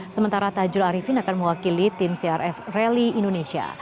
sementara tajul arifin akan mewakili tim crf rally indonesia